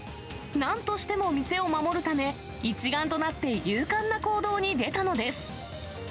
なんとしても店を守るため、一丸となって勇敢な行動に出たのです。